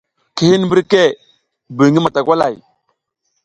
Ki hin mbirke buy ngi matakwalay.